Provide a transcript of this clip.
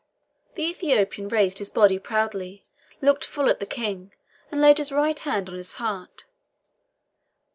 The Ethiopian raised his body proudly, looked full at the King, and laid his right hand on his heart.